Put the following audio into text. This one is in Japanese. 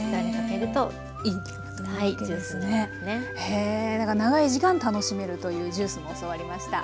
へ長い時間楽しめるというジュースも教わりました。